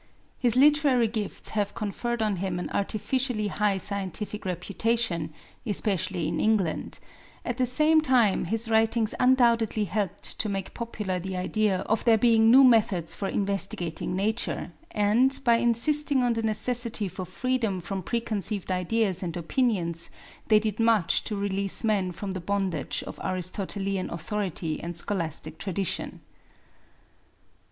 His literary gifts have conferred on him an artificially high scientific reputation, especially in England; at the same time his writings undoubtedly helped to make popular the idea of there being new methods for investigating Nature, and, by insisting on the necessity for freedom from preconceived ideas and opinions, they did much to release men from the bondage of Aristotelian authority and scholastic tradition.